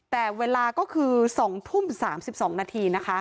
แต่เวลาก็คือ๒ทุ่ม๓๒นาทีนะคะ